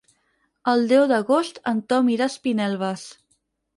El deu d'agost en Tom irà a Espinelves.